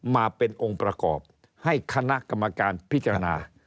มาเป็นองค์ประกอบให้คณะกรรมการพิจารณา